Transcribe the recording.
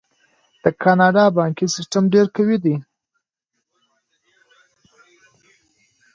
د کاناډا بانکي سیستم ډیر قوي دی.